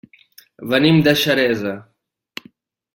Venim de Xeresa.